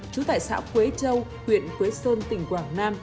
trú tại xã quế châu huyện quế sơn tỉnh quảng nam